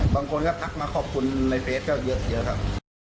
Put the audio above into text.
บางคนก็ทักมาขอบคุณในเฟสก็เยอะครับ